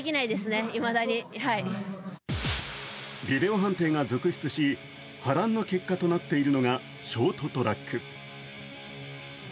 ビデオ判定が続出し波乱の結果となっているのがショートトラック。